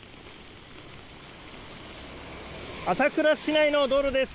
朝倉市内の道路です。